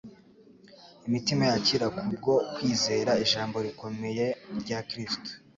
imitima yakira kubwo kvizera ijambo rikomeye rya Kristo.